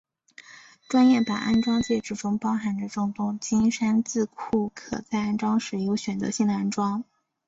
专业版安装介质中包含着众多的金山字库可在安装时有选择性的安装。